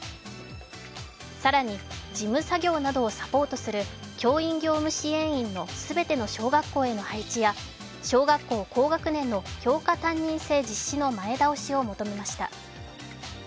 更に、事務作業などをサポートする教員業務支援員の全ての小学校への配置や小学校高学年の教科担任制実施の前倒しを求めました。